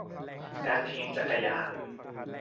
การถีบจักรยาน